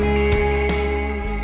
nang aku jatuh